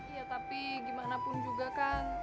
iya tapi gimana pun juga kan